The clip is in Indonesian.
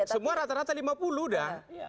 semua rata rata lima puluh dah